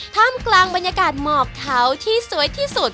ท่ามกลางบรรยากาศหมอบเขาที่สวยที่สุด